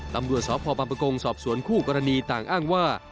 ตำรวจสพบังปะกงสอบสวนคู่กรณีต่างอ้างว่า